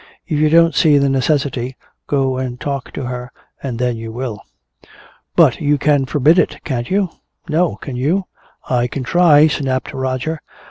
If you don't see the necessity, go and talk to her, and then you will." "But you can forbid it, can't you?" "No. Can you?" "I can try," snapped Roger.